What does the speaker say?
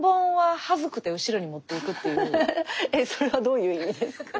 ハハハえっそれはどういう意味ですか？